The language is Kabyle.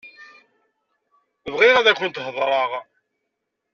Bɣiɣ ad akent-heḍṛeɣ.